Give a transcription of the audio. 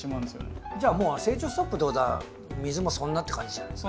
じゃあもう成長ストップってことは水もそんなって感じじゃないですか。